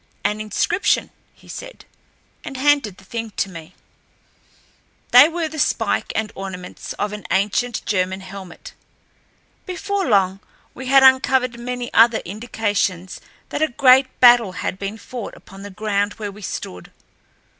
"An inscription," he said, and handed the thing to me. They were the spike and ornaments of an ancient German helmet. Before long we had uncovered many other indications that a great battle had been fought upon the ground where we stood.